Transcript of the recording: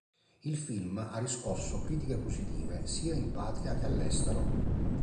Il film ha riscosso critiche positive sia in patria che all'estero.